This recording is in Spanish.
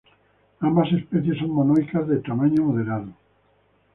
Ambas especies son monoicas de tamaño moderado.